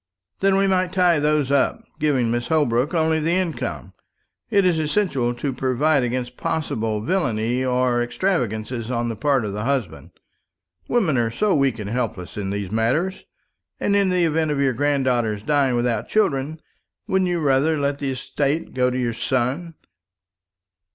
"Then we might tie those up, giving Mrs. Holbrook only the income. It is essential to provide against possible villany or extravagance on the part of the husband. Women are so weak and helpless in these matters. And in the event of your granddaughter dying without children, wouldn't you rather let the estate go to your son?"